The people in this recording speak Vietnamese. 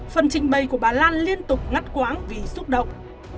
phần trình bày của bà lan liên tục ngắt quãng vì xúc động